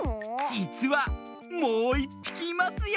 じつはもういっぴきいますよ。